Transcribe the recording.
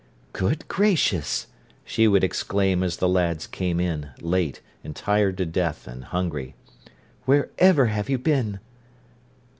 "Good gracious!" she would exclaim as the lads came in, late, and tired to death, and hungry, "wherever have you been?"